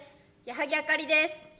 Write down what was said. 矢作あかりです。